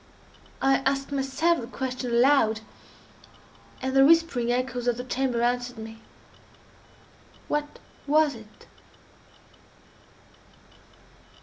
I asked myself the question aloud, and the whispering echoes of the chamber answered me,—"_What was it?